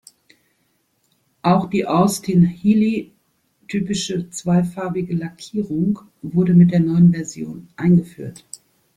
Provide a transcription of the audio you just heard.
Auch die Austin-Healey-typische zweifarbige Lackierung wurde mit der neuen Version eingeführt.